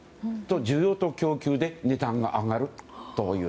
需要と供給で値段が上がるという。